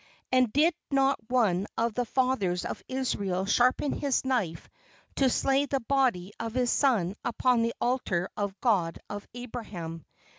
and did not one of the fathers of Israel sharpen his knife to slay the body of his son upon the altar of the God of Abraham?